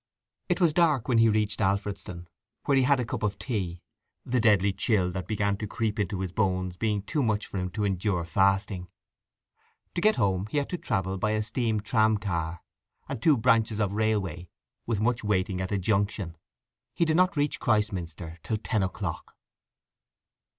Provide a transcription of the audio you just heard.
It was dark when he reached Alfredston, where he had a cup of tea, the deadly chill that began to creep into his bones being too much for him to endure fasting. To get home he had to travel by a steam tram car, and two branches of railway, with much waiting at a junction. He did not reach Christminster till ten o'clock.